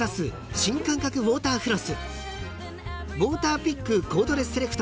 新感覚ウオーターフロス］